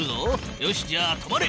よしじゃあ止まれ！